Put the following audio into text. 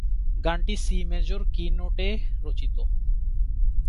গানটি C major key নোটে রচিত।